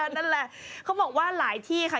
นั่นแหละเขาบอกว่าหลายที่ค่ะ